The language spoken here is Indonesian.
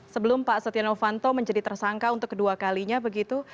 sebelum pak setia novanto menjadi tersangka untuk kedua kalinya begitu